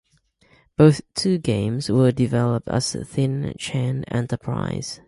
Both two games were developed as Thin Chen Enterprise.